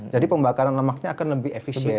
pembakaran lemaknya akan lebih efisien